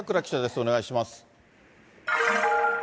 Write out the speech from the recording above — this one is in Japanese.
お願いします。